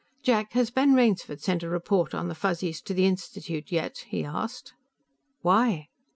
"Jack, has Ben Rainsford sent a report on the Fuzzies to the Institute yet?" he asked. "Why?"